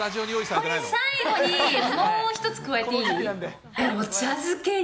これ、最後にもう１つ加えていい？